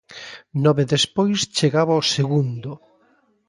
Nove despois chegaba o segundo.